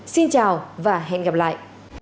xin chào và hẹn gặp lại